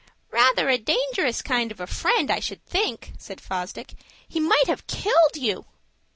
"Rather a dangerous kind of a friend, I should think," said Fosdick. "He might have killed you."